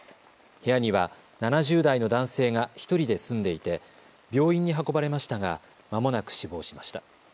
部屋には７０代の男性が１人で住んでいて病院に運ばれましたがまもなく死亡しました。